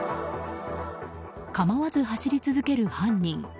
構わず走り続ける犯人。